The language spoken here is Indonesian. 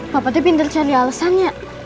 bapak tuh pinter cari alesannya